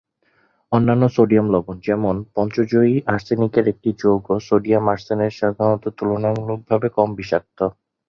অন্যান্য সোডিয়াম লবণ, যেমন পঞ্চযোজী আর্সেনিকের একটি যৌগ সোডিয়াম আর্সেনেট সাধারণত তুলনামূলকভাবে কম বিষাক্ত।